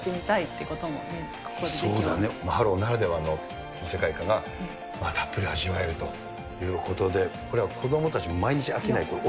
ハロウならではの世界観がまあたっぷり味わえるということで、これは子どもたちも毎日飽きないですね。